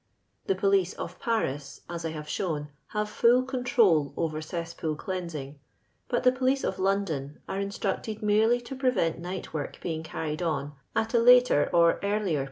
The police of Paris, as I have shown, have full centred over cesspool cleansing, but the police of London are instructed merely to prevent night work being carried on at a later or earliiir LONDON LABOUR AND THE LONDON POOB.